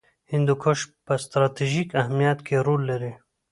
هندوکش په ستراتیژیک اهمیت کې رول لري.